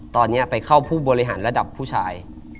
ตอนนี้ไปเข้าผู้บริหารระดับผู้ชาย